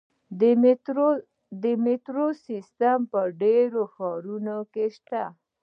د میټرو سیستم په ډیرو ښارونو کې شته.